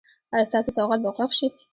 ایا ستاسو سوغات به خوښ شي؟